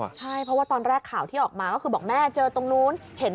ใช่เพราะว่าตอนแรกข่าวที่ออกมาก็คือบอกแม่เจอตรงนู้นเห็น